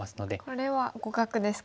これは互角ですか？